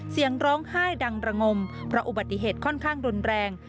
เสียงร้องไห้ดังระงมเพราะอุบัติเหตุค่อนข้างรุนแรง